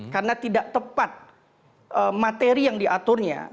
karena tidak tepat materi yang diaturnya